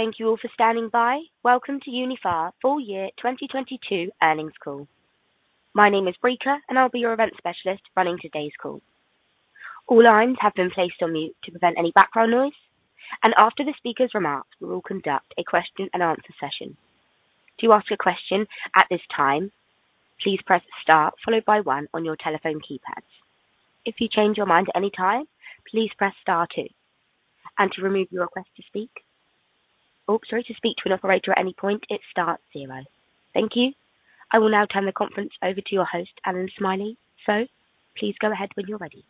Thank you all for standing by. Welcome to Uniphar full year 2022 earnings call. My name is Brica, I'll be your event specialist running today's call. All lines have been placed on mute to prevent any background noise. After the speaker's remarks, we will conduct a question and answer session. To ask a question at this time, please press star followed by one on your telephone keypads. If you change your mind at any time, please press star two. To remove your request to speak or sorry, to speak to an operator at any point, it's star zero. Thank you. I will now turn the conference over to your host, Allan Smylie. Please go ahead when you're ready.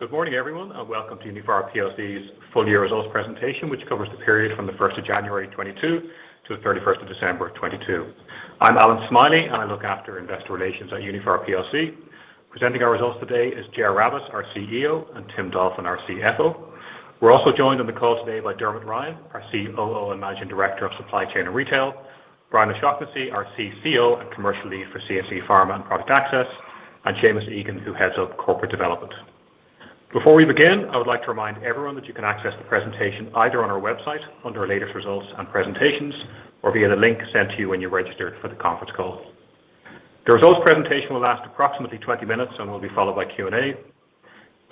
Good morning, everyone, welcome to Uniphar plc's full year results presentation, which covers the period from the 1st of January 2022 to the 31st of December 2022. I'm Allan Smylie, I look after investor relations Uniphar plc. Presenting our results today is Ger Rabbette, our CEO, and Tim Dolphin, our CFO. We're also joined on the call today by Dermot Ryan, our COO and Managing Director of Supply Chain and Retail, Brian O'Shaughnessy, our CCO and Commercial Lead for CSE Pharma and Product Access, and Seamus Egan, who heads our Corporate Development. Before we begin, I would like to remind everyone that you can access the presentation either on our website under Latest Results and Presentations or via the link sent to you when you registered for the conference call. The results presentation will last approximately 20 minutes and will be followed by Q&A.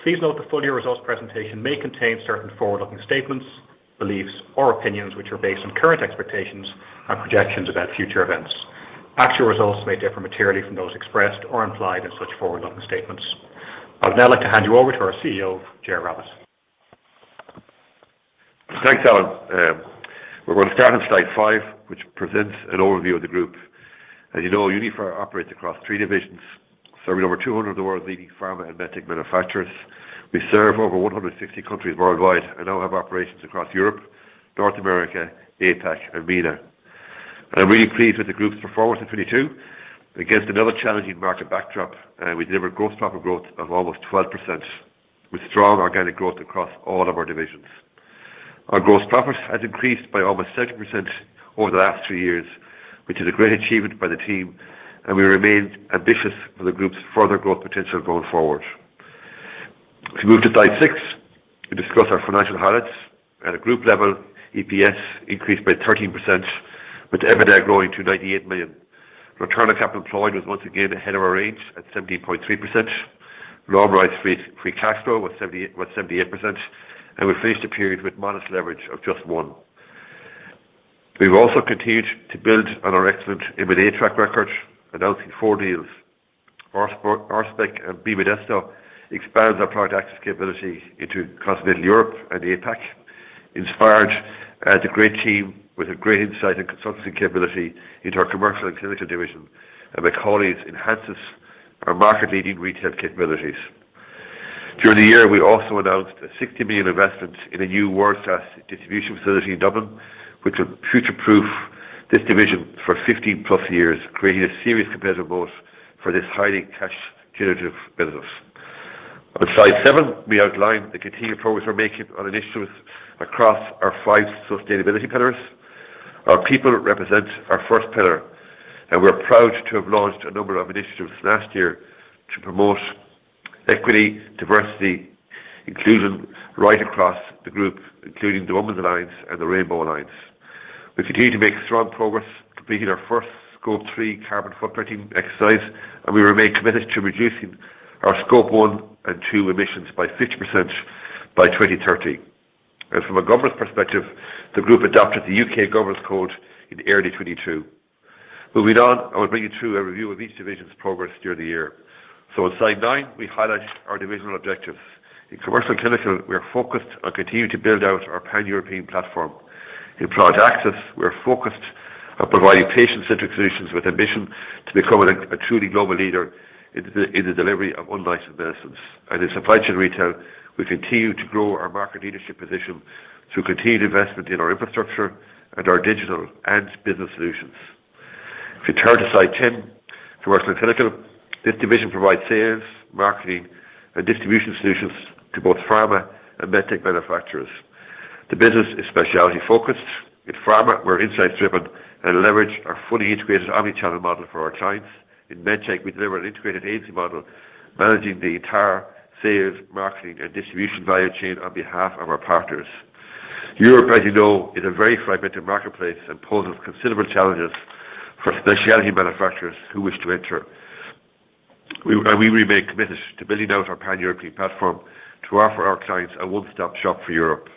Please note the full year results presentation may contain certain forward-looking statements, beliefs, or opinions which are based on current expectations and projections about future events. Actual results may differ materially from those expressed or implied in such forward-looking statements. I would now like to hand you over to our CEO, Ger Rabbette. Thanks, Allan. We're going to start on slide five, which presents an overview of the group. As you know, Uniphar operates across three divisions, serving over 200 of the world's leading pharma and medtech manufacturers. We serve over 160 countries worldwide and now have operations across Europe, North America, APAC, and MENA. I'm really pleased with the group's performance in 2022. Against another challenging market backdrop, we delivered gross profit growth of almost 12%, with strong organic growth across all of our divisions. Our gross profit has increased by almost 30% over the last three years, which is a great achievement by the team, and we remain ambitious for the group's further growth potential going forward. If you move to slide six, we discuss our financial highlights. At a group level, EPS increased by 13%, with EBITDA growing to 98 million. Return on capital employed was once again ahead of our range at 17.3%. Normalized free cash flow was 78%, we finished the period with modest leverage of just 1x. We've also continued to build on our excellent M&A track record, announcing four deals. Orspec and BModesto expands our Product Access capability into continental Europe and APAC. Inspired adds a great team with a great insight and consultancy capability into our commercial and clinical division. McCauley's enhances our market-leading retail capabilities. During the year, we also announced a 60 million investment in a new world-class distribution facility in Dublin, which will future-proof this division for 15+ years, creating a serious competitive moat for this highly cash generative business. On slide seven, we outline the continued progress we're making on initiatives across our five sustainability pillars. Our people represent our first pillar. We're proud to have launched a number of initiatives last year to promote equity, diversity, inclusion right across the group, including the Women's Alliance and the Rainbow Alliance. We continue to make strong progress completing our first Scope 3 carbon footprinting exercise. We remain committed to reducing our Scope 1 and 2 emissions by 50% by 2030. From a governance perspective, the group adopted the UK Corporate Governance Code in early 2022. Moving on, I will bring you through a review of each division's progress during the year. On slide nine, we highlight our divisional objectives. In commercial and clinical, we are focused on continuing to build out our Pan-European platform. In Product Access, we are focused on providing patient-centric solutions with ambition to become a truly global leader in the delivery of unlicensed medicines. In Supply Chain and Retail, we continue to grow our market leadership position through continued investment in our infrastructure and our digital and business solutions. Turn to slide 10, Commercial and Clinical, this division provides sales, marketing, and distribution solutions to both pharma and medtech manufacturers. The business is specialty focused. In pharma, we're insight driven and leverage our fully integrated omnichannel model for our clients. In Medtech, we deliver an integrated agency model managing the entire sales, marketing, and distribution value chain on behalf of our partners. Europe, as you know, is a very fragmented marketplace and poses considerable challenges for specialty manufacturers who wish to enter. We remain committed to building out our Pan-European platform to offer our clients a one-stop shop for Europe.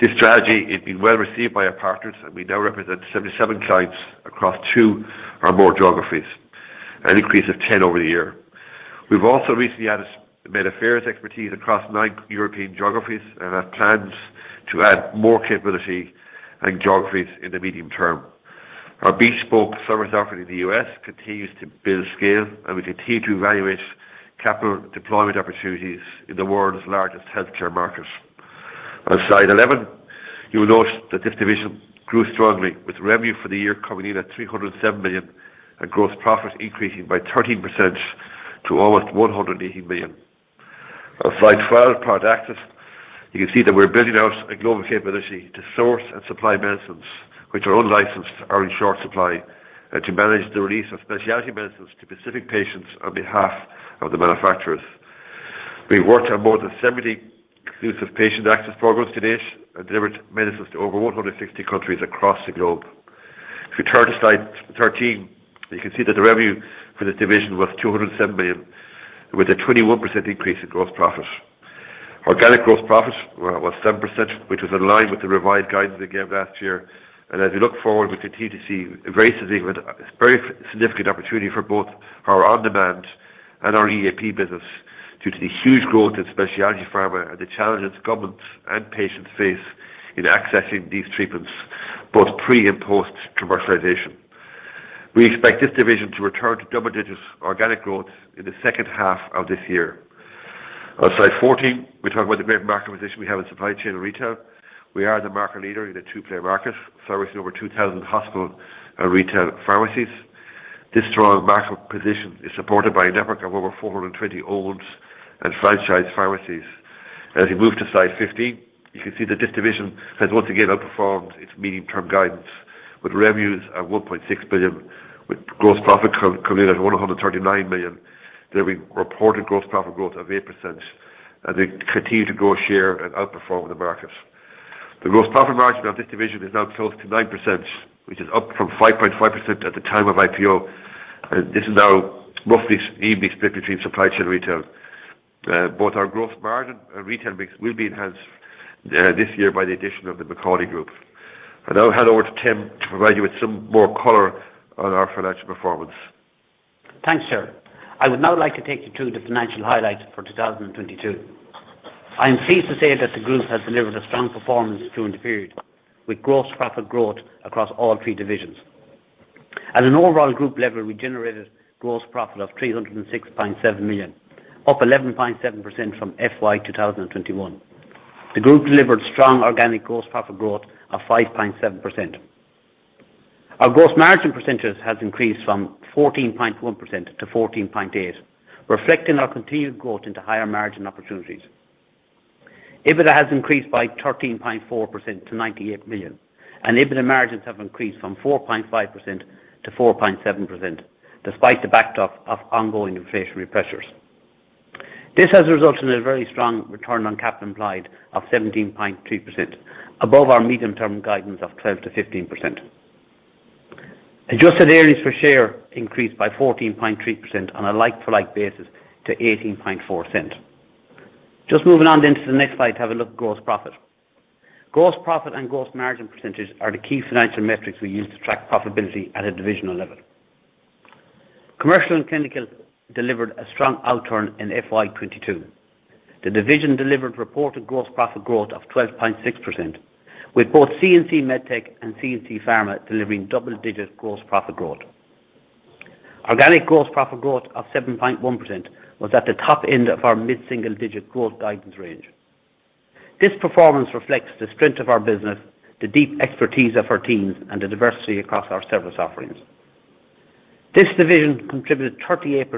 This strategy has been well received by our partners. We now represent 77 clients across two or more geographies, an increase of 10 over the year. We've also recently added med affairs expertise across nine European geographies and have plans to add more capability and geographies in the medium term. Our bespoke service offering in the U.S. continues to build scale. We continue to evaluate capital deployment opportunities in the world's largest healthcare market. On slide 11, you will note that this division grew strongly with revenue for the year coming in at 307 million and gross profit increasing by 13% to almost 180 million. On slide 12, Product Access. You can see that we're building out a global capability to source and supply medicines which are unlicensed or in short supply, and to manage the release of specialty medicines to specific patients on behalf of the manufacturers. We've worked on more than 70 exclusive patient access programs to date and delivered medicines to over 160 countries across the globe. If you turn to slide 13, you can see that the revenue for this division was 207 million, with a 21% increase in gross profit. Organic gross profit was 7%, which was in line with the revised guidance we gave last year. As we look forward, we continue to see a very significant opportunity for both our on-demand and our EAP business due to the huge growth in specialty pharma and the challenges governments and patients face in accessing these treatments, both pre and post commercialization. We expect this division to return to double-digit organic growth in the second half of this year. On slide 14, we talk about the great market position we have in supply chain and retail. We are the market leader in the two-player market, servicing over 2,000 hospital and retail pharmacies. This strong market position is supported by a network of over 420 owned and franchised pharmacies. As we move to slide 15, you can see that this division has once again outperformed its medium-term guidance with revenues at 1.6 billion, with gross profit coming in at 139 million, delivering reported gross profit growth of 8%. They continue to grow share and outperform the market. The gross profit margin of this division is now close to 9%, which is up from 5.5% at the time of IPO. This is now roughly evenly split between supply chain and retail. Both our growth margin and retail mix will be enhanced this year by the addition of the McCauley Group. I'll now hand over to Tim to provide you with some more color on our financial performance. Thanks, sir. I would now like to take you through the financial highlights for 2022. I am pleased to say that the group has delivered a strong performance during the period, with gross profit growth across all three divisions. At an overall group level, we generated gross profit of 306.7 million, up 11.7% from FY 2021. The group delivered strong organic gross profit growth of 5.7%. Our gross margin percentage has increased from 14.1% to 14.8%, reflecting our continued growth into higher margin opportunities. EBITDA has increased by 13.4% to 98 million, and EBITDA margins have increased from 4.5% to 4.7% despite the backdrop of ongoing inflationary pressures. This has resulted in a very strong return on capital employed of 17.2%, above our medium-term guidance of 12%-15%. Adjusted earnings per share increased by 14.3% on a like-for-like basis to 0.184. Moving on to the next slide to have a look at gross profit. Gross profit and gross margin percentage are the key financial metrics we use to track profitability at a divisional level. Commercial and Clinical delivered a strong outturn in FY 2022. The division delivered reported gross profit growth of 12.6%, with both C&C MedTech and C&C Pharma delivering double-digit gross profit growth. Organic gross profit growth of 7.1% was at the top end of our mid-single-digit growth guidance range. This performance reflects the strength of our business, the deep expertise of our teams, and the diversity across our service offerings. This division contributed 38%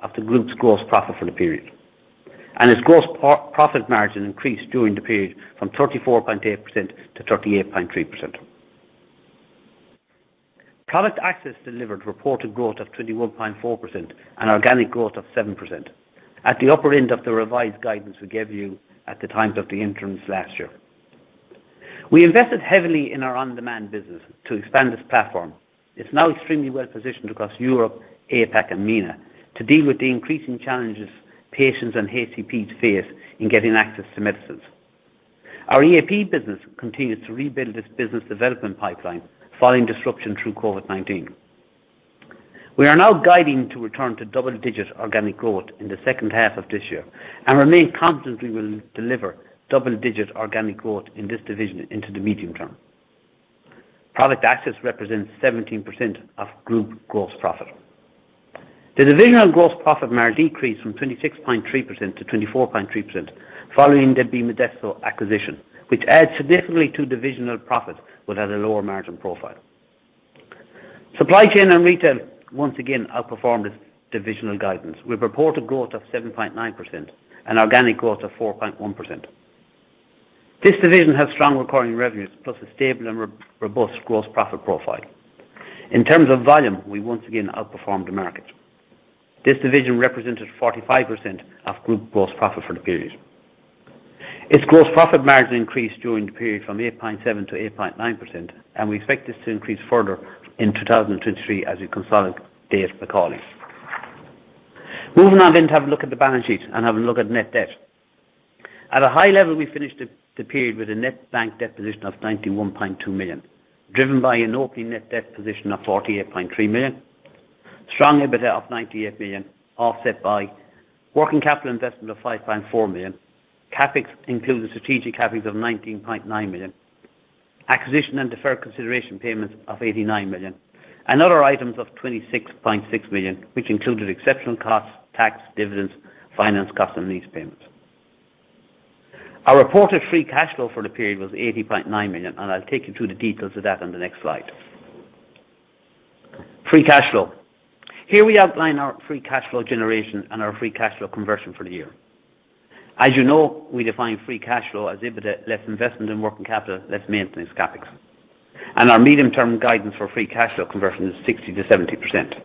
of the group's gross profit for the period, and its gross profit margin increased during the period from 34.8% to 38.3%. Product Access delivered reported growth of 21.4% and organic growth of 7% at the upper end of the revised guidance we gave you at the time of the interims last year. We invested heavily in our on-demand business to expand this platform. It's now extremely well positioned across Europe, APAC, and MENA to deal with the increasing challenges patients and HCPs face in getting access to medicines. Our EAP business continues to rebuild this business development pipeline following disruption through COVID-19. We are now guiding to return to double-digit organic growth in the second half of this year and remain confident we will deliver double-digit organic growth in this division into the medium term. Product Access represents 17% of group gross profit. The divisional gross profit margin decreased from 26.3% to 24.3% following the BModesto acquisition, which adds significantly to divisional profit but has a lower margin profile. Supply Chain and Retail once again outperformed its divisional guidance, with reported growth of 7.9% and organic growth of 4.1%. This division has strong recurring revenues plus a stable and robust gross profit profile. In terms of volume, we once again outperformed the market. This division represented 45% of group gross profit for the period. Its gross profit margin increased during the period from 8.7% to 8.9%. We expect this to increase further in 2023 as we consolidate McCauley. Moving on to have a look at the balance sheet and have a look at net debt. At a high level, we finished the period with a net bank debt position of 91.2 million, driven by an opening net debt position of 48.3 million. Strong EBITDA of 98 million, offset by working capital investment of 5.4 million. CapEx includes strategic CapEx of 19.9 million. Acquisition and deferred consideration payments of 89 million. Other items of 26.6 million, which included exceptional costs, tax, dividends, finance costs, and lease payments. Our reported free cash flow for the period was 80.9 million. I'll take you through the details of that on the next slide. Free cash flow. Here we outline our free cash flow generation and our free cash flow conversion for the year. As you know, we define free cash flow as EBITDA, less investment in working capital, less maintenance CapEx. Our medium-term guidance for free cash flow conversion is 60%-70%.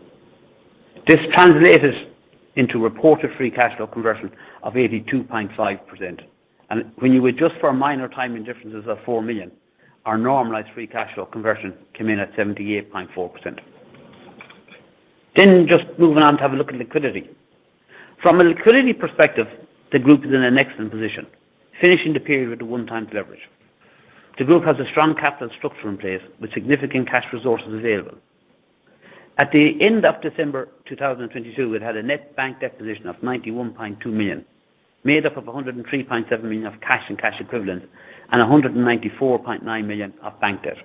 This translated into reported free cash flow conversion of 82.5%. When you adjust for minor timing differences of 4 million, our normalized free cash flow conversion came in at 78.4%. Just moving on to have a look at liquidity. From a liquidity perspective, the group is in an excellent position, finishing the period with a 1x leverage. The group has a strong capital structure in place with significant cash resources available. At the end of December 2022, we'd had a net bank deposition of 91.2 million, made up of 103.7 million of cash and cash equivalents and 194.9 million of bank debt.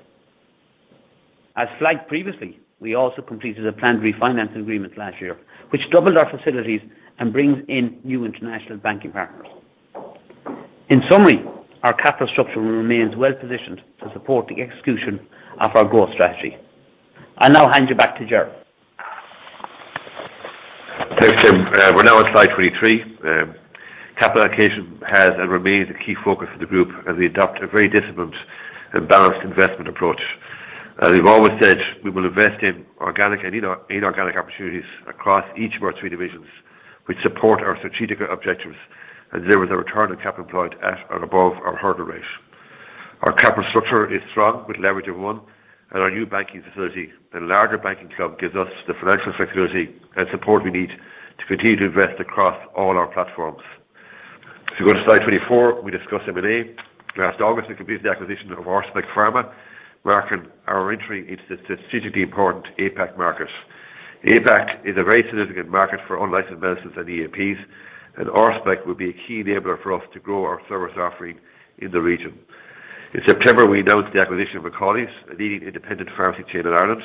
As flagged previously, we also completed a planned refinance agreement last year, which doubled our facilities and brings in new international banking partners. In summary, our capital structure remains well positioned to support the execution of our growth strategy. I'll now hand you back to Ger. Thanks, Tim. We're now on slide 23. Capital allocation has and remains a key focus for the group as we adopt a very disciplined and balanced investment approach. As we've always said, we will invest in organic and inorganic opportunities across each of our three divisions, which support our strategic objectives and delivers a return on capital employed at and above our hurdle rate. Our capital structure is strong with leverage of 1x and our new banking facility. The larger banking club gives us the financial flexibility and support we need to continue to invest across all our platforms. If you go to slide 24, we discuss M&A. Last August, we completed the acquisition of Orspec Pharma, marking our entry into the strategically important APAC market. APAC is a very significant market for unlicensed medicines and EAPs, and Orspec will be a key enabler for us to grow our service offering in the region. In September, we announced the acquisition of McCauley's, a leading independent pharmacy chain in Ireland.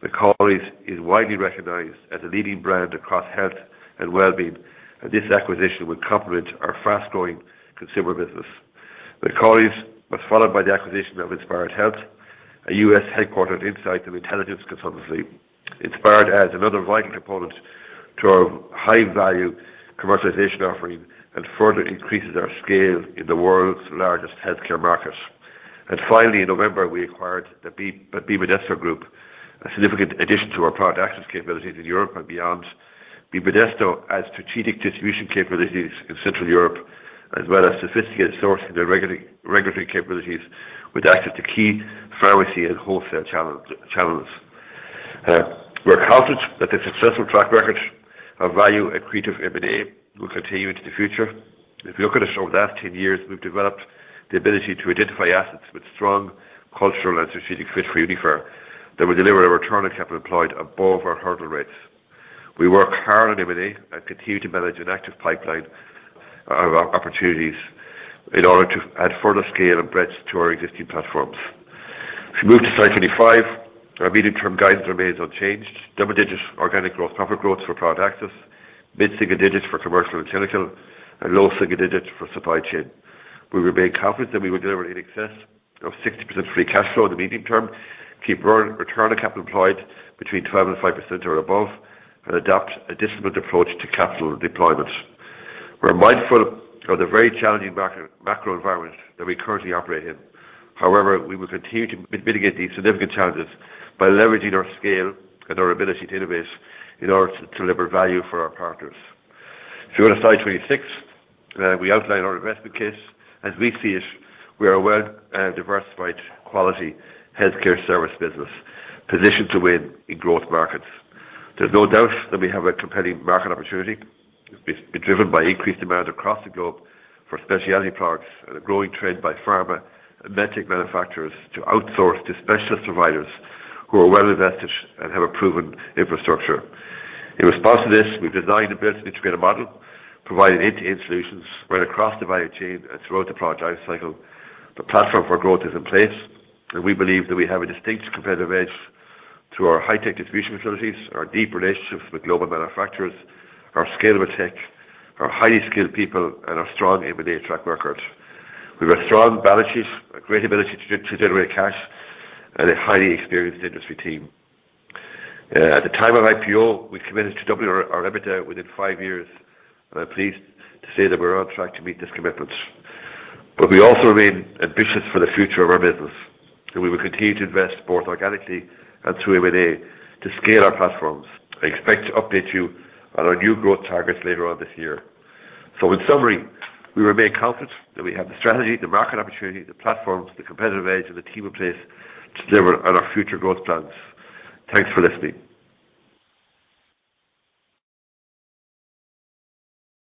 McCauley's is widely recognized as a leading brand across health and well-being, and this acquisition will complement our fast-growing consumer business. McCauley's was followed by the acquisition of Inspired Health, a U.S. headquartered insight and intelligence consultancy. Inspired adds another vital component to our high-value commercialization offering and further increases our scale in the world's largest healthcare market. Finally, in November, we acquired the BModesto Group, a significant addition to our Product Access capabilities in Europe and beyond. BModesto adds strategic distribution capabilities in Central Europe, as well as sophisticated source and regulatory capabilities with access to key pharmacy and wholesale channels. We're confident that the successful track record of value-accretive M&A will continue into the future. If you look at us over the last 10 years, we've developed the ability to identify assets with strong cultural and strategic fit for Uniphar that will deliver a return on capital employed above our hurdle rates. We work hard on M&A and continue to manage an active pipeline of opportunities in order to add further scale and breadth to our existing platforms. If you move to slide 25, our medium-term guidance remains unchanged. Double-digit organic growth, profit growth for Product Access, mid-single digits for Commercial and Clinical, and low single digits for Supply Chain. We remain confident that we will deliver in excess of 60% free cash flow in the medium term, keep return on capital employed between 12% and 5% or above, and adopt a disciplined approach to capital deployment. We're mindful of the very challenging macro environment that we currently operate in. However, we will continue to mitigate these significant challenges by leveraging our scale and our ability to innovate in order to deliver value for our partners. If you go to slide 26, we outline our investment case. As we see it, we are a well diversified quality healthcare service business positioned to win in growth markets. There's no doubt that we have a compelling market opportunity, be driven by increased demand across the globe for specialty products and a growing trend by pharma and medtech manufacturers to outsource to specialist providers who are well invested and have a proven infrastructure. In response to this, we've designed the ability to create a model, providing end-to-end solutions right across the value chain and throughout the project cycle. The platform for growth is in place. We believe that we have a distinct competitive edge through our high-tech distribution facilities, our deep relationships with global manufacturers, our scalable tech, our highly skilled people, and our strong M&A track record. We have a strong balance sheet, a great ability to generate cash, and a highly experienced industry team. At the time of IPO, we committed to doubling our EBITDA within five years. I'm pleased to say that we're on track to meet this commitment. We also remain ambitious for the future of our business. We will continue to invest both organically and through M&A to scale our platforms. I expect to update you on our new growth targets later on this year. In summary, we remain confident that we have the strategy, the market opportunity, the platforms, the competitive edge, and the team in place to deliver on our future growth plans. Thanks for listening.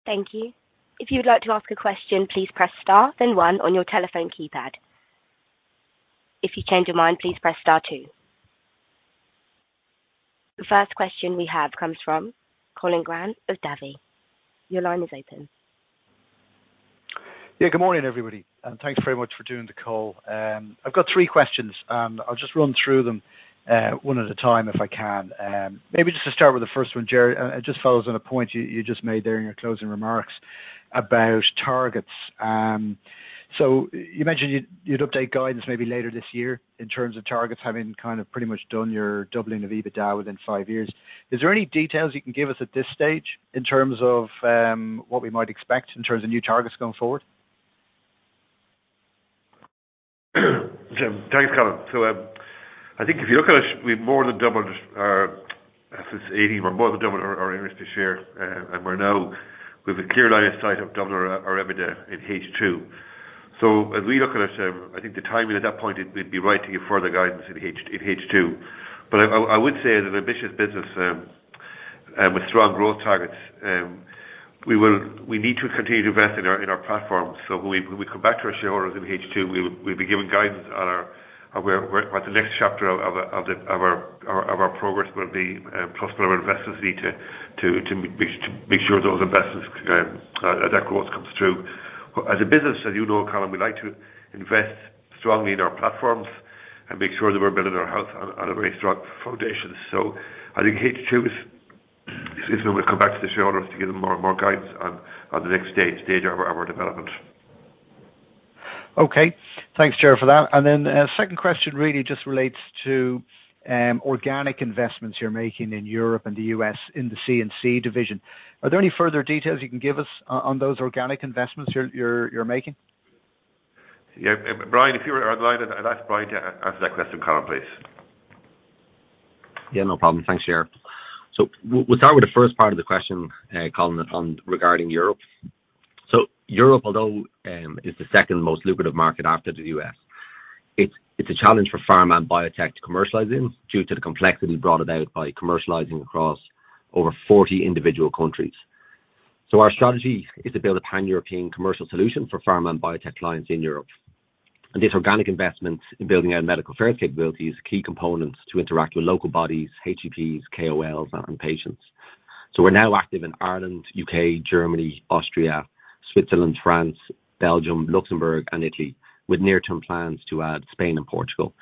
Thank you. If you would like to ask a question, please press star then one on your telephone keypad. If you change your mind, please press star two. The first question we have comes from Colin Grant of Davy. Your line is open. Yeah, good morning, everybody, thanks very much for doing the call. I've got three questions. I'll just run through them one at a time if I can. Maybe just to start with the first one, Ger. It just follows on a point you just made there in your closing remarks about targets. You mentioned you'd update guidance maybe later this year in terms of targets having kind of pretty much done your doubling of EBITDA within five years. Is there any details you can give us at this stage in terms of what we might expect in terms of new targets going forward? Thanks, Colin. I think if you look at it, since 2018 we've more than doubled our earnings per share. We're now with a clear line of sight of doubling our EBITDA in H2. As we look at it, I think the timing at that point, it'd be right to give further guidance in H2. I would say as an ambitious business with strong growth targets, we need to continue to invest in our platforms. When we come back to our shareholders in H2, we'll be giving guidance on our, where, what the next chapter of our progress will be, plus what our investors need to make sure those investments, that growth comes through. As a business as you know, Colin, we like to invest strongly in our platforms and make sure that we're building our house on a very strong foundation. I think H2 is when we'll come back to the shareholders to give them more guidance on the next stage of our development. Okay. Thanks, Ger, for that. A second question really just relates to organic investments you're making in Europe and the U.S. in the C&C division. Are there any further details you can give us on those organic investments you're making? Yeah. Brian, if you are online, I'd ask Brian to answer that question, Colin, please. Yeah, no problem. Thanks, Ger. We'll start with the first part of the question, Colin, on regarding Europe. Europe, although, is the second most lucrative market after the U.S., it's a challenge for pharma and biotech to commercialize in due to the complexity brought about by commercializing across over 40 individual countries. Our strategy is to build a pan-European commercial solution for pharma and biotech clients in Europe. This organic investment in building out Medical Affairs capabilities, key components to interact with local bodies, HEBs, KOLs, and patients. We're now active in Ireland, U.K., Germany, Austria, Switzerland, France, Belgium, Luxembourg, and Italy, with near-term plans to add Spain and Portugal.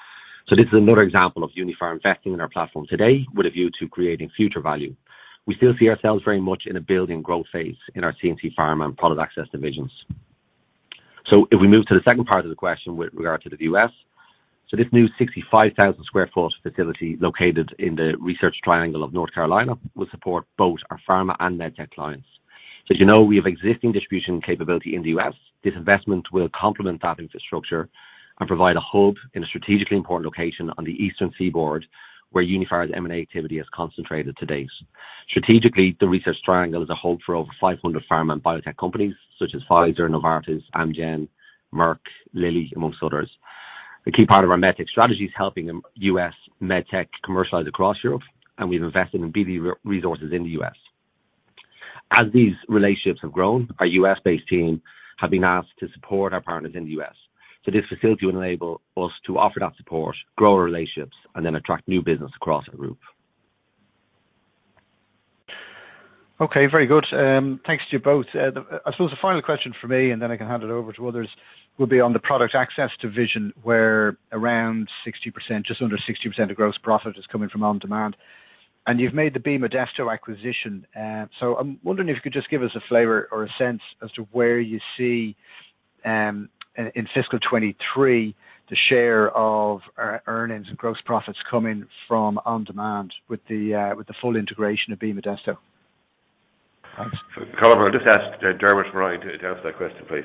This is another example of Uniphar investing in our platform today with a view to creating future value. We still see ourselves very much in a building growth phase in our C&C Pharma and Product Access divisions. If we move to the second part of the question with regard to the U.S. This new 65,000 square foot facility located in the Research Triangle of North Carolina will support both our Pharma and MedTech clients. As you know, we have existing distribution capability in the U.S. This investment will complement that infrastructure and provide a hub in a strategically important location on the eastern seaboard, where Uniphar's M&A activity has concentrated to date. Strategically, the Research Triangle is a hub for over 500 pharma and biotech companies such as Pfizer, Novartis, Amgen, Merck, Lilly, amongst others. The key part of our MedTech strategy is helping U.S. MedTech commercialize across Europe, and we've invested in BD resources in the U.S. As these relationships have grown, our U.S.-based team have been asked to support our partners in the U.S. This facility will enable us to offer that support, grow relationships, and then attract new business across our group. Okay, very good. Thanks to you both. I suppose the final question from me and then I can hand it over to others, will be on the Product Access division, where around 60%, just under 60% of gross profit is coming from on-demand. You've made the BModesto acquisition. I'm wondering if you could just give us a flavor or a sense as to where you see, in fiscal 2023, the share of earnings and gross profits coming from on-demand with the full integration of BModesto. Colin, I'll just ask Dermot or Brian to answer that question, please.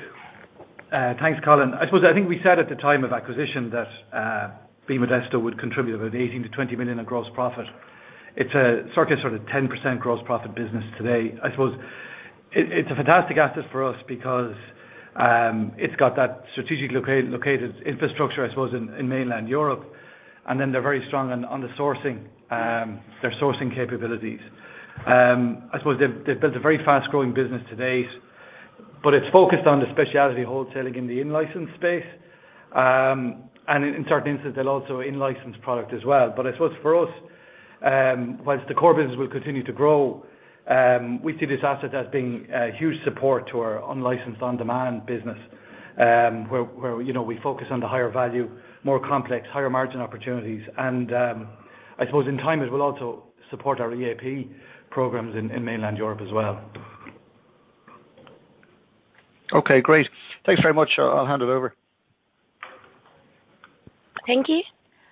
Thanks, Colin. I suppose I think we said at the time of acquisition that BModesto would contribute about 18 million-20 million in gross profit. It's a circuit sort of 10% gross profit business today. I suppose it's a fantastic asset for us because it's got that strategic located infrastructure, I suppose, in mainland Europe, and then they're very strong on their sourcing capabilities. I suppose they've built a very fast-growing business to date, but it's focused on the specialty wholesaling in the in-license space. In certain instances, they'll also in-license product as well. I suppose for us, whilst the core business will continue to grow, we see this asset as being a huge support to our unlicensed on-demand business, where, you know, we focus on the higher value, more complex, higher margin opportunities. I suppose in time it will also support our EAP programs in mainland Europe as well. Okay, great. Thanks very much. I'll hand it over. Thank you.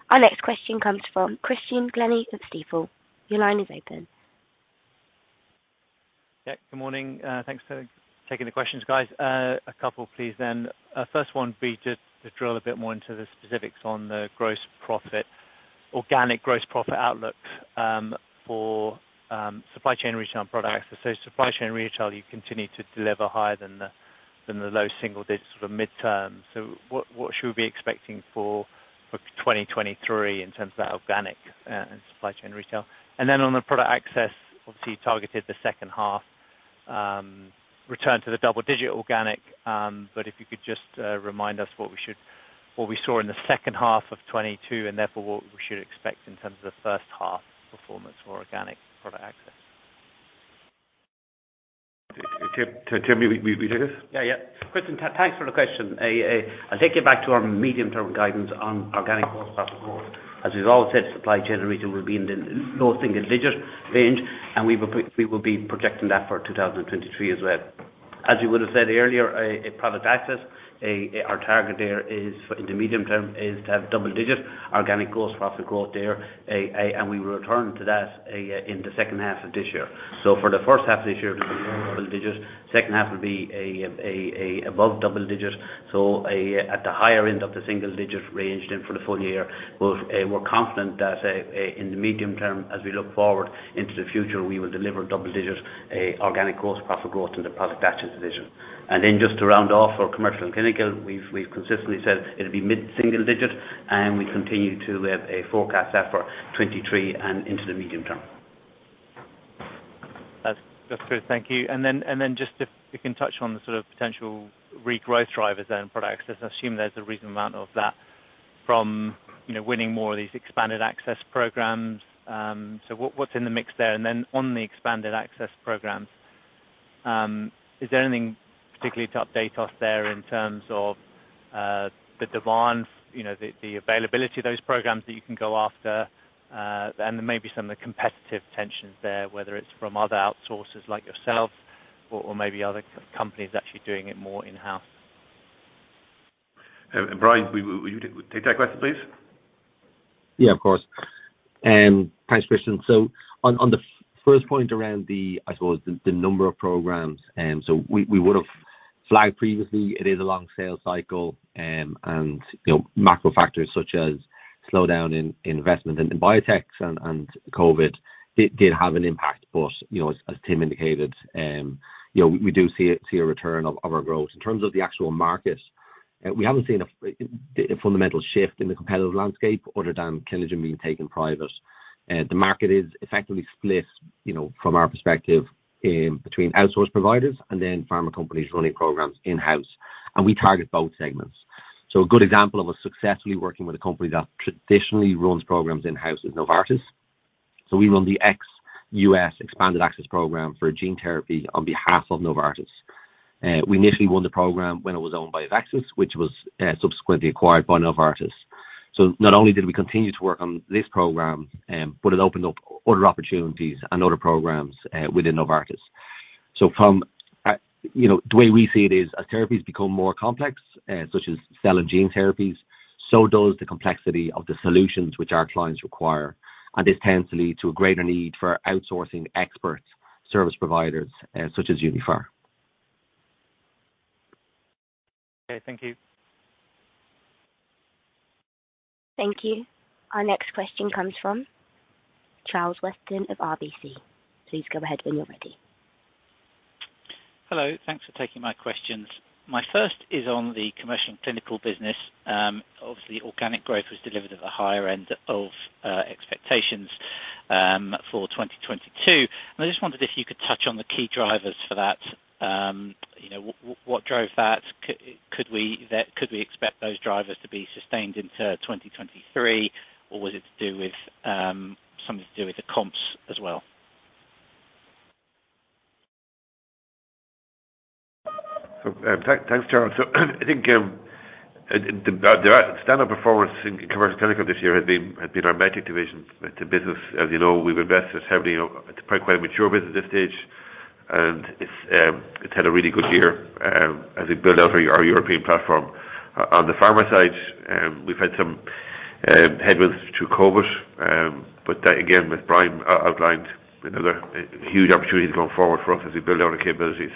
Our next question comes from Christian Glennie of Stifel. Your line is open. Yeah. Good morning. Thanks for taking the questions, guys. A couple, please, then. First one will be just to drill a bit more into the specifics on the gross profit, organic gross profit outlook for Supply Chain and Retail products. Supply Chain and Retail, you continue to deliver higher than the low single digits for the midterm. What should we be expecting for 2023 in terms of that organic in supply chain retail? On the Product Access, obviously you targeted the second half return to the double digit organic. If you could just remind us what we saw in the second half of 2022 and therefore what we should expect in terms of the first half performance for organic Product Access. Tim, will you do this? Yeah. Yeah. Christian, thanks for the question. I'll take you back to our medium-term guidance on organic growth possible. As we've all said, supply chain retail will be in the low single-digit range, and we will be projecting that for 2023 as well. As we would have said earlier, Product Access, our target there is in the medium term is to have double-digit organic gross profit growth there, and we will return to that in the second half of this year. For the first half of this year double digits, second half will be above double digits. At the higher end of the single-digit range. For the full year, we're confident that in the medium term, as we look forward into the future, we will deliver double-digit organic gross profit growth in the Product Access division. Just to round off our Commercial and Clinical, we've consistently said it'll be mid-single-digit, and we continue to forecast that for 2023 and into the medium term. That's clear. Thank you. Then, just if you can touch on the sort of potential regrowth drivers then in Product Access. I assume there's a reasonable amount of that from, you know, winning more of these expanded access programs. What's in the mix there? Then on the Expanded Access Program, is there anything particularly to update us there in terms of the demand, you know, the availability of those programs that you can go after, and maybe some of the competitive tensions there, whether it's from other outsourcers like yourself or maybe other companies actually doing it more in-house. Brian, will you take that question, please? Yeah, of course. Thanks, Christian. On the first point around the, I suppose, the number of programs. We would have flagged previously it is a long sales cycle. You know, macro factors such as slowdown in investment in biotechs and COVID did have an impact. You know, as Tim indicated, you know, we do see a return of our growth. In terms of the actual market, we haven't seen a fundamental shift in the competitive landscape other than Clinigen being taken private. The market is effectively split, you know, from our perspective in between outsourced providers and then pharma companies running programs in-house. We target both segments. A good example of us successfully working with a company that traditionally runs programs in-house is Novartis. We run the ex-U.S. Expanded Access Program for gene therapy on behalf of Novartis. We initially won the program when it was owned by AveXis, which was subsequently acquired by Novartis. Not only did we continue to work on this program, but it opened up other opportunities and other programs within Novartis. You know, the way we see it is as therapies become more complex, such as cell and gene therapies, so does the complexity of the solutions which our clients require. This tends to lead to a greater need for outsourcing expert service providers such as Uniphar. Okay. Thank you. Thank you. Our next question comes from Charles Weston of RBC. Please go ahead when you're ready. Hello. Thanks for taking my questions. My first is on the commercial and clinical business. Obviously organic growth was delivered at the higher end of expectations for 2022. I just wondered if you could touch on the key drivers for that. You know, what drove that? Could we expect those drivers to be sustained into 2023, or was it to do with something to do with the comps as well? Thanks, Charles. I think the standard performance in commercial and clinical this year has been our MedTech division. It's a business, as you know, we've invested heavily. It's probably quite a mature business at this stage, and it's had a really good year as we build out our European platform. On the Pharma side, we've had some headwinds through COVID, but that again, as Brian outlined, you know, there are huge opportunities going forward for us as we build out our capability.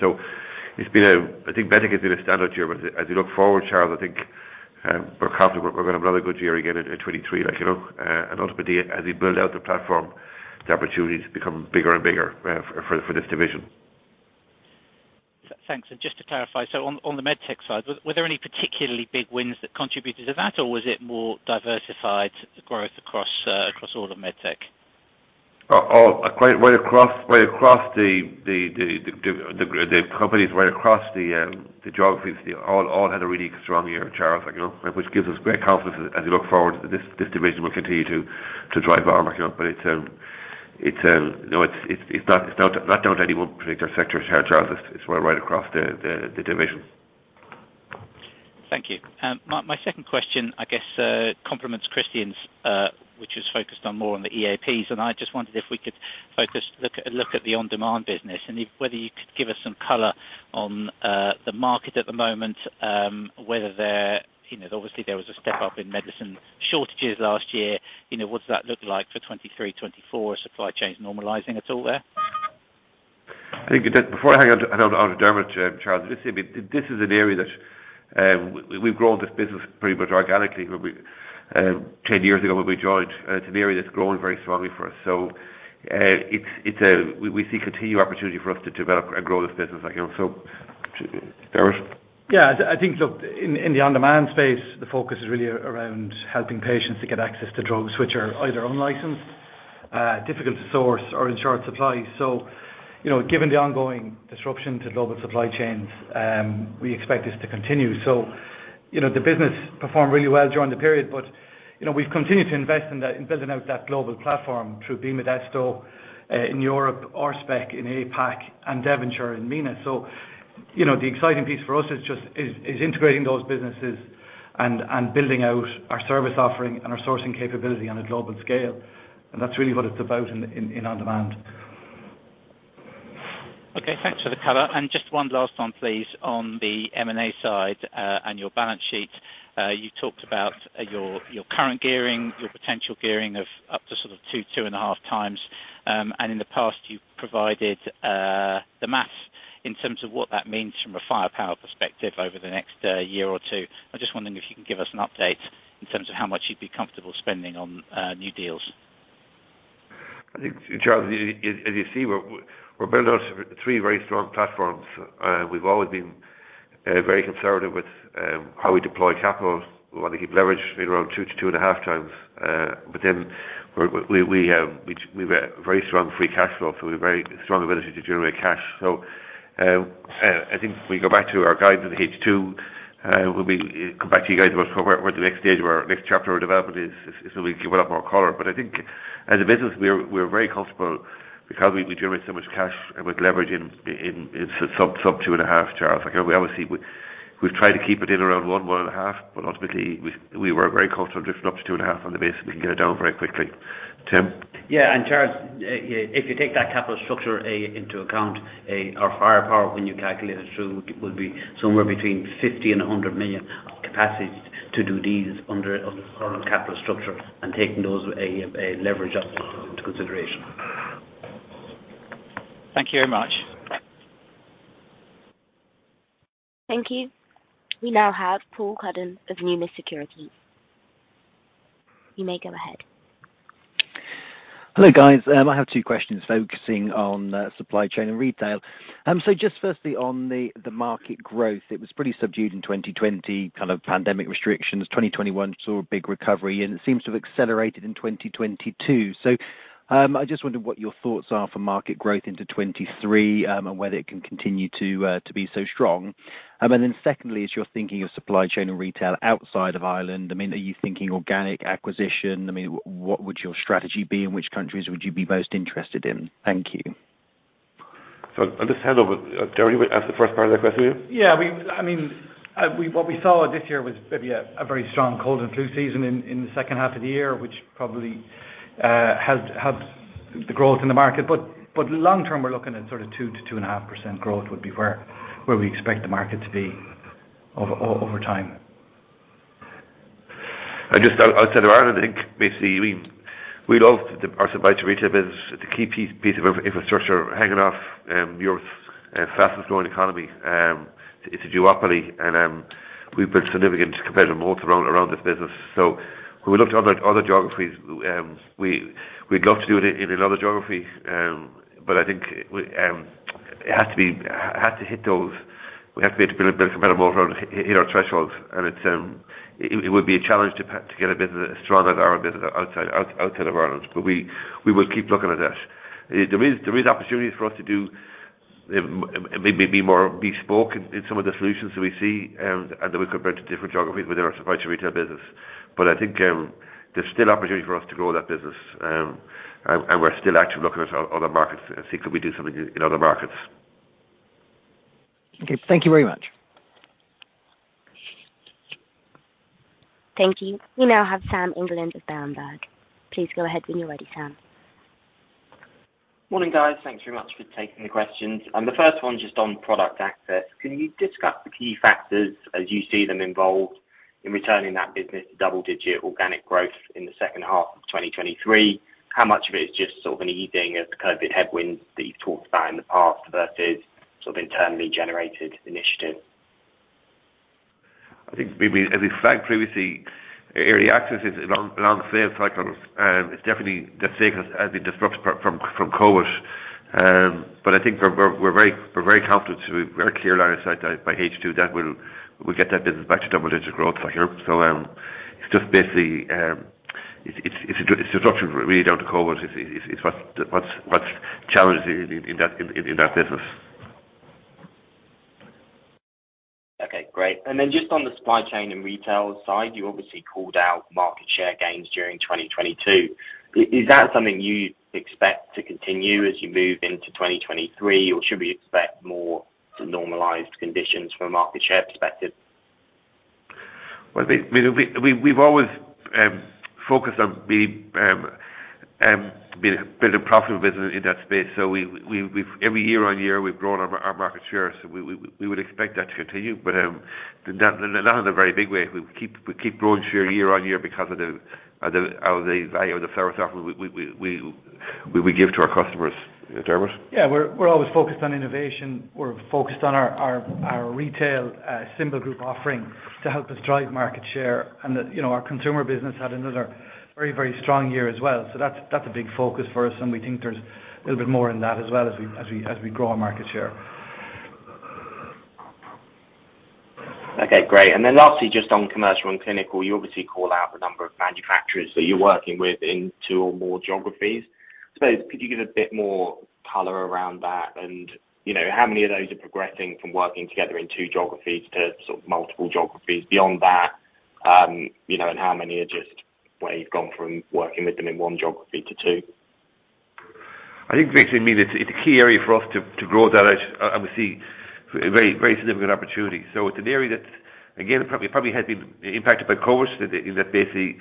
I think MedTech has been a standard here. As we look forward, Charles, I think we're confident we're going to have another good year again in 2023. Like, you know, ultimately, as we build out the platform, the opportunities become bigger and bigger, for this division. Thanks. Just to clarify, on the Medtech side, were there any particularly big wins that contributed to that, or was it more diversified growth across all of Medtech? Oh, quite right across the companies, right across the geographies, they all had a really strong year, Charles. Like, you know, which gives us great confidence as we look forward. This division will continue to drive our market. It's. No, it's not down to any one particular sector here, Charles. It's right across the division. Thank you. My second question, I guess, complements Christian's, which is focused on more on the EAPs. I just wondered if we could look at the on-demand business and if whether you could give us some color on the market at the moment, whether there, you know, obviously there was a step up in medicine shortages last year. You know, what does that look like for 2023, 2024? Are supply chains normalizing at all there? I think that before I hand on to Dermot, Charles, this is an area that, we've grown this business pretty much organically 10 years ago when we joined. It's an area that's grown very strongly for us. We see continued opportunity for us to develop and grow this business. Dermot? Yeah. I think, look, in the on-demand space, the focus is really around helping patients to get access to drugs which are either unlicensed, difficult to source or in short supply. You know, given the ongoing disruption to global supply chains, we expect this to continue. You know, the business performed really well during the period, but, you know, we've continued to invest in that, in building out that global platform through BModesto in Europe, Orspec in APAC and Devonshire in MENA. You know, the exciting piece for us is just integrating those businesses and building out our service offering and our sourcing capability on a global scale. That's really what it's about in on-demand. Okay, thanks for the color. Just one last one, please, on the M&A side, and your balance sheet. You talked about, your current gearing, your potential gearing of up to sort of 2.5x. In the past you've provided, the math in terms of what that means from a firepower perspective over the next, year or two. I'm just wondering if you can give us an update in terms of how much you'd be comfortable spending on new deals. I think, Charles, as you see, we're building out three very strong platforms. We've always been very conservative with how we deploy capital. We want to keep leverage around 2x to 2.5x. We have very strong free cash flow, so we have very strong ability to generate cash. I think we go back to our guidance in H2, when we come back to you guys about where the next stage, where our next chapter of development is where we give a lot more color. I think as a business, we're very comfortable because we generate so much cash and with leverage in sub 2.5x, Charles. Obviously, we've tried to keep it in around 1x-1.5x, but ultimately we work very comfortable drifting up to 2.5x on the base, and we can get it down very quickly. Tim? Yeah. Charles, if you take that capital structure into account, our firepower when you calculate it through would be somewhere between 50 million and 100 million of capacity to do these under our current capital structure and taking those leverage up into consideration. Thank you very much. Thank you. We now have Paul Cuddon of Numis Securities. You may go ahead. Hello, guys. I have two questions focusing on Supply Chain and Retail. Just firstly on the market growth. It was pretty subdued in 2020, kind of pandemic restrictions. 2021 saw a big recovery, and it seems to have accelerated in 2022. I just wonder what your thoughts are for market growth into 2023, and whether it can continue to be so strong. Secondly, as you're thinking of supply chain and retail outside of Ireland, I mean, are you thinking organic acquisition? I mean, what would your strategy be, and which countries would you be most interested in? Thank you. I'll just hand over. Dermot, do you want to answer the first part of that question? Yeah. I mean, what we saw this year was maybe a very strong cold and flu season in the second half of the year, which probably helped the growth in the market. Long term, we're looking at sort of 2% to 2.5% growth would be where we expect the market to be over time. Outside of Ireland, I think basically, we love our supply to retail business. It's a key piece of infrastructure hanging off Europe's fastest growing economy. It's a duopoly and we've built significant competitive moats around this business. When we look to other geographies, we'd love to do it in another geography. I think, it has to hit those. We have to be able to build a better moat around hitting our thresholds. It would be a challenge to get a business as strong as our business outside of Ireland. We will keep looking at that. There is opportunities for us to do, be more bespoke in some of the solutions that we see, and that we compare to different geographies within our supply to retail business. I think, there's still opportunity for us to grow that business. We're still actively looking at other markets and see could we do something in other markets. Okay, thank you very much. Thank you. We now have Sam England of Berenberg. Please go ahead when you're ready, Sam. Morning, guys. Thanks very much for taking the questions. The first one, just on Product Access. Can you discuss the key factors as you see them involved in returning that business to double-digit organic growth in the second half of 2023? How much of it is just sort of an easing of the COVID-19 headwinds that you've talked about in the past versus sort of internally generated initiative? I think we, as we flagged previously, early access is long sales cycles. It's definitely that cycle has been disrupted from COVID. I think we're very confident with a very clear line of sight that by H2 that we'll get that business back to double-digit growth here. Just basically, it's disruption really down to COVID is what's challenging in that business. Okay, great. Just on the Supply Chain and Retail side, you obviously called out market share gains during 2022. Is that something you expect to continue as you move into 2023? Or should we expect more normalized conditions from a market share perspective? We've always focused on being building a profitable business in that space. We've every year on year, we've grown our market share. We would expect that to continue. Not in a very big way. We keep growing share year on year because of the value of the service offering we give to our customers. Dermot? Yeah. We're always focused on innovation. We're focused on our retail, symbol group offering to help us drive market share. You know, our consumer business had another very, very strong year as well. That's a big focus for us, and we think there's a little bit more in that as well as we grow our market share. Okay, great. Lastly, just on Commercial and Clinical. You obviously call out the number of manufacturers that you're working within two or more geographies. Could you give a bit more color around that? You know, how many of those are progressing from working together in two geographies to sort of multiple geographies beyond that? You know, how many are just where you've gone from working with them in one geography to two? I think basically, I mean, it's a key area for us to grow that out. Very, very significant opportunity. It's an area that's again probably has been impacted by COVID in that basically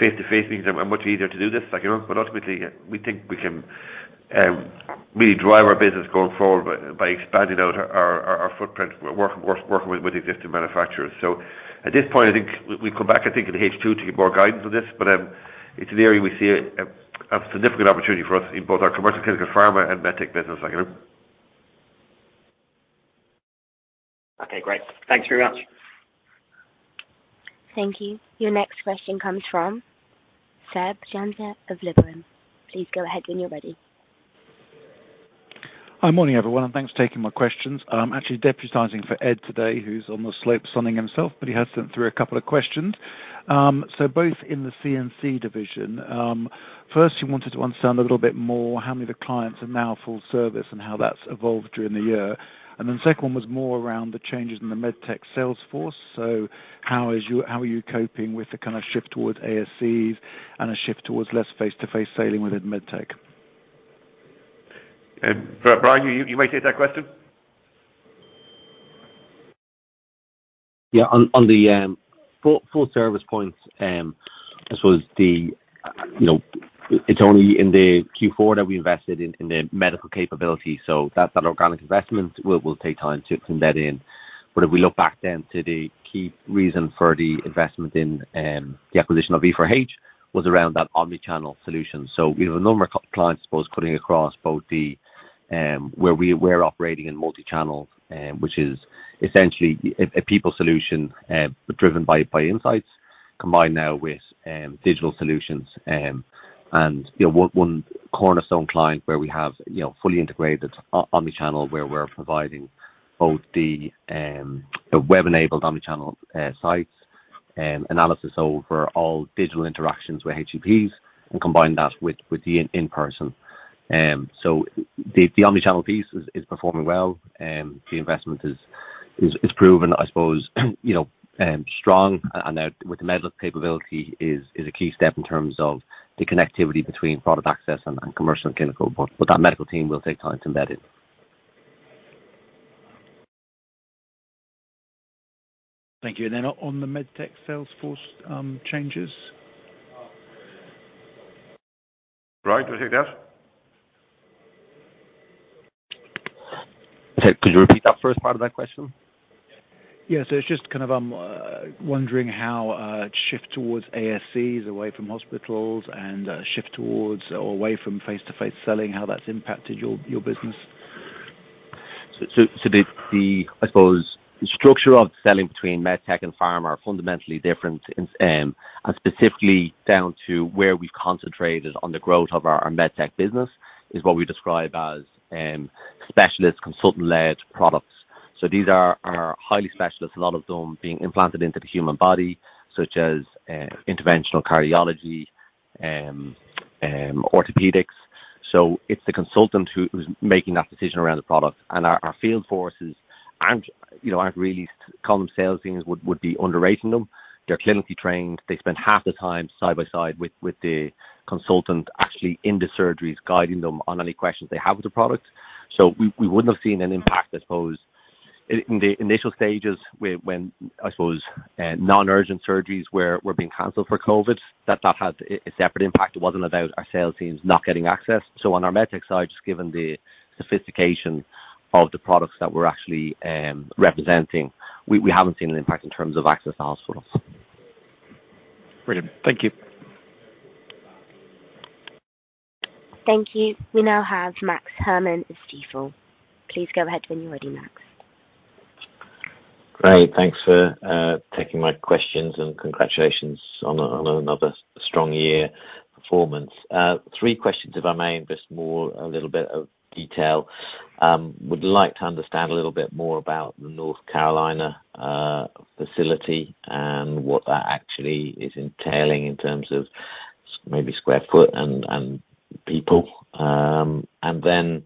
face-to-face meetings are much easier to do this, like you know. Ultimately, we think we can really drive our business going forward by expanding out our footprint working with existing manufacturers. At this point, I think we come back, I think in H2 to give more guidance on this, but it's an area we see a significant opportunity for us in both our Commercial and Clinical Pharma and Medtech business, like you know. Okay, great. Thanks very much. Thank you. Your next question comes from Seb Jantet of Liberum. Please go ahead when you're ready. Hi. Morning everyone. Thanks for taking my questions. I'm actually deputizing for Ed today, who's on the slopes sunning himself, but he has sent through a couple of questions. Both in the C&C division. First he wanted to understand a little bit more how many of the clients are now full service and how that's evolved during the year. Then second one was more around the changes in the Medtech sales force. How are you coping with the kind of shift towards ASCs and a shift towards less face-to-face selling within Medtech? Brian, you may take that question. On the full service points, I suppose, you know, it's only in Q4 that we invested in the medical capability, so that's an organic investment. We'll take time to embed in. If we look back then to the key reason for the investment in the acquisition of E4H was around that omnichannel solution. We have a number of clients, I suppose cutting across both the where we were operating in multi-channel, which is essentially a people solution, driven by insights, combined now with digital solutions. You know, one cornerstone client where we have, you know, fully integrated omnichannel, where we're providing both the, you know, web-enabled omnichannel sites, analysis over all digital interactions with HCPs, and combine that with the in-person. The omnichannel piece is performing well. The investment is proven, I suppose, you know, strong. Now with the medical capability is a key step in terms of the connectivity between Product Access and Commercial and Clinical, but that medical team will take time to embed in. Thank you. On the Medtech sales force, changes. Brian, do you want to take that? Sorry, could you repeat that first part of that question? Yeah. It's just kind of, wondering how, shift towards ASCs away from hospitals and, shift towards or away from face-to-face selling, how that's impacted your business? I suppose the structure of selling between Medtech and Pharma are fundamentally different in, and specifically down to where we've concentrated on the growth of our Medtech business, is what we describe as specialist consultant-led products. These are highly specialist. A lot of them being implanted into the human body, such as interventional cardiology, orthopedics. It's the consultant who's making that decision around the product. Our field forces aren't, you know, really called them sales teams would be underrating them. They're clinically trained. They spend half the time side by side with the consultant actually in the surgeries, guiding them on any questions they have with the product. We wouldn't have seen an impact, I suppose. In the initial stages when I suppose non-urgent surgeries were being canceled for COVID, that had a separate impact. It wasn't about our sales teams not getting access. On our Medtech side, just given the sophistication of the products that we're actually representing, we haven't seen an impact in terms of access to hospitals. Brilliant. Thank you. Thank you. We now have Max Herrmann of Stifel. Please go ahead when you're ready, Max. Great. Thanks for taking my questions and congratulations on another strong year performance. Three questions, if I may, just more a little bit of detail. Would like to understand a little bit more about the North Carolina facility and what that actually is entailing in terms of maybe square foot and people. Then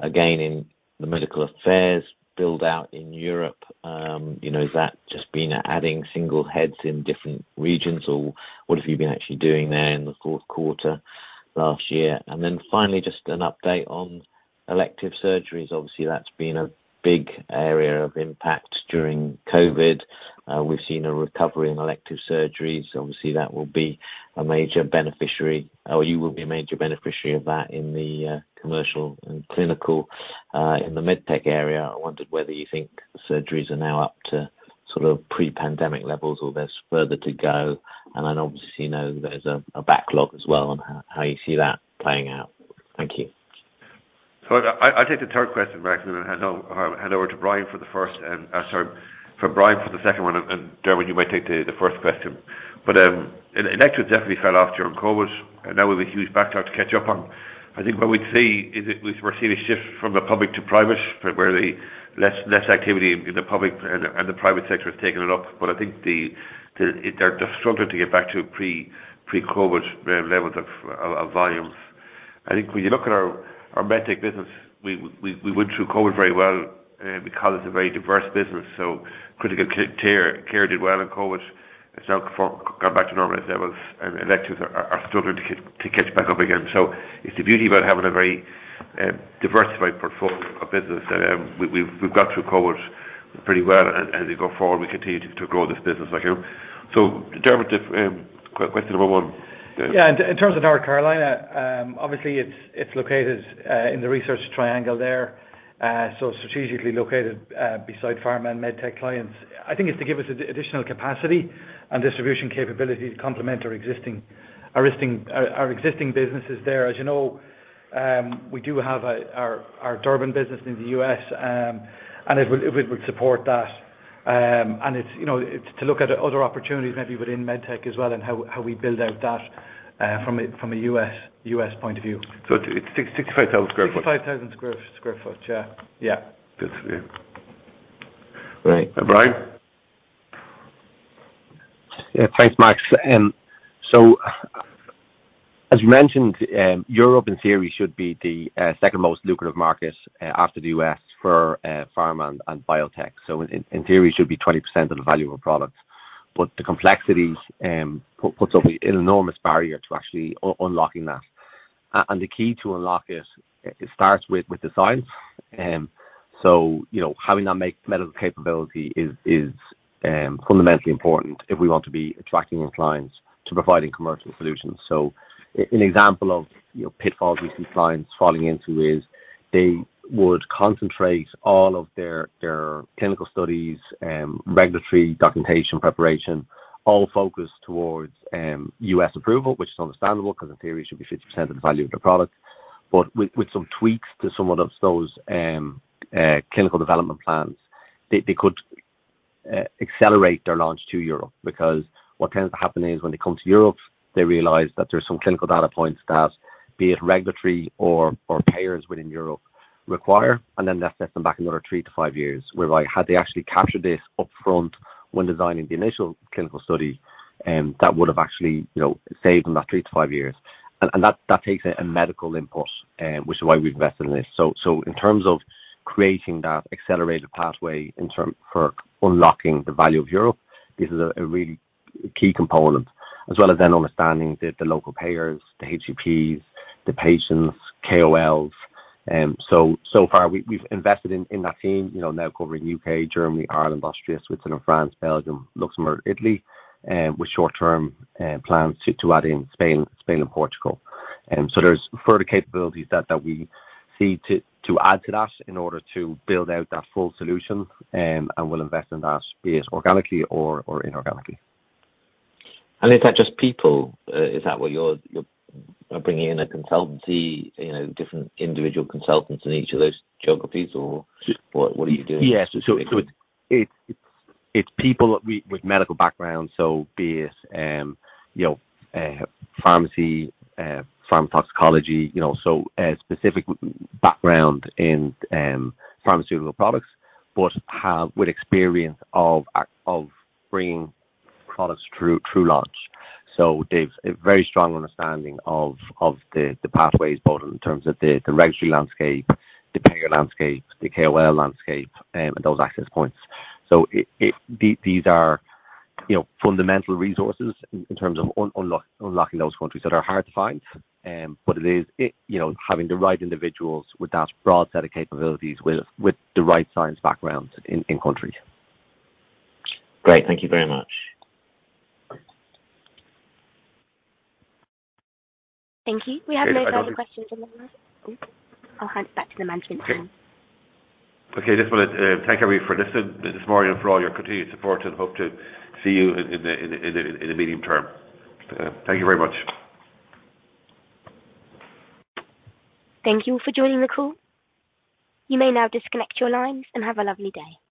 again, in the Medical Affairs build out in Europe, you know, has that just been adding single heads in different regions or what have you been actually doing there in the fourth quarter last year? Then finally, just an update on elective surgeries. Obviously, that's been a big area of impact during COVID. We've seen a recovery in elective surgeries. Obviously, that will be a major beneficiary or you will be a major beneficiary of that in the Commercial and Clinical in the Medtech area. I wondered whether you think surgeries are now up to sort of pre-pandemic levels or there's further to go? Obviously, you know, there's a backlog as well on how you see that playing out. Thank you. I'll take the third question, Max, and then hand over to Brian for the first. Sorry for Brian for the second one. Dermot, you might take the first question. Electives definitely fell off during COVID, and now we've a huge backlog to catch up on. I think what we'd see is we've received a shift from the public to private, where the less activity in the public and the private sector has taken it up. I think they're struggling to get back to pre-COVID levels of volumes. I think when you look at our Medtech business, we went through COVID very well because it's a very diverse business. Critical care did well in COVID. It's now come back to normal levels and electives are struggling to catch back up again. It's the beauty about having a very diversified portfolio of business. We've got through COVID pretty well. As we go forward, we continue to grow this business again. Dermot, if question number one. Yeah. In terms of North Carolina, obviously it's located in the Research Triangle there. Strategically located beside Pharma and Medtech clients. I think it's to give us additional capacity and distribution capability to complement our existing businesses there. As you know, we do have our Durbin business in the U.S., and it will support that. You know, it's to look at other opportunities maybe within Medtech as well and how we build out that from a U.S. point of view. It's 65,000 sq ft. It's 65,000 sq ft. Yeah. Yeah. That's it. Right. Brian? Yeah. Thanks, Max. As you mentioned, Europe in theory should be the second most lucrative market after the U.S. for pharma and biotech. In theory, it should be 20% of the value of a product. The complexities puts up an enormous barrier to actually unlocking that. The key to unlock it starts with the science. You know, having that medical capability is fundamentally important if we want to be attracting more clients to providing commercial solutions. An example of, you know, pitfalls we've seen clients falling into is they would concentrate all of their clinical studies, regulatory documentation preparation, all focused towards U.S. approval, which is understandable 'cause in theory it should be 50% of the value of the product. With some tweaks to some of those clinical development plans, they could accelerate their launch to Europe. Because what tends to happen is when they come to Europe, they realize that there's some clinical data points that, be it regulatory or payers within Europe require, and then that sets them back another three to five years. Whereby had they actually captured this upfront when designing the initial clinical study, that would've actually, you know, saved them that three to five years. That takes a medical input, which is why we've invested in this. In terms of creating that accelerated pathway in term for unlocking the value of Europe, this is a really key component, as well as then understanding the local payers, the HCPs, the patients, KOLs. So far, we've invested in that team, you know, now covering U.K., Germany, Ireland, Austria, Switzerland, France, Belgium, Luxembourg, Italy, with short-term plans to add in Spain and Portugal. There's further capabilities that we seek to add to that in order to build out that full solution. We'll invest in that be it organically or inorganically. Is that just people? Is that what you're bringing in a consultancy, you know, different individual consultants in each of those geographies or what are you doing? Yes. It's people with medical background, so be it, you know, pharmacy, pharm toxicology, you know. A specific background in pharmaceutical products with experience of bringing products through launch. They've a very strong understanding of the pathways, both in terms of the regulatory landscape, the payer landscape, the KOL landscape, and those access points. These are, you know, fundamental resources in terms of unlocking those countries that are hard to find. It is, you know, having the right individuals with that broad set of capabilities with the right science backgrounds in countries. Great. Thank you very much. Thank you. We have no further questions online. Oops. I'll hand it back to the management team. Okay. Okay. Just wanna thank everybody for listening this morning and for all your continued support and hope to see you in the medium term. Thank you very much. Thank you for joining the call. You may now disconnect your lines and have a lovely day.